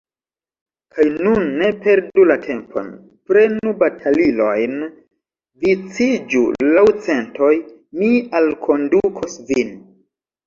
Kaj nun ne perdu la tempon, prenu batalilojn, viciĝu laŭ centoj, mi alkondukos vin!